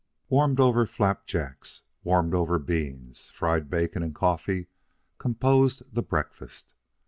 Warmed over flapjacks, warmed over beans, fried bacon, and coffee composed the breakfast.